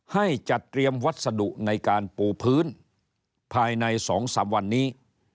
ให้จัดเตรียมวัสดุในการปูพื้นภายใน๒๓วันนี้